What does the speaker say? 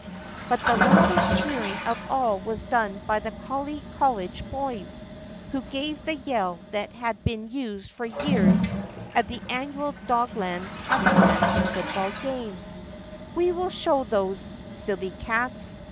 But the loudest cheering of all was done by the Collie Col lege Boys, who gave the yell that had been used for years at the annual Dogland Tabbyland foot ball game: "We will show those Silly cats!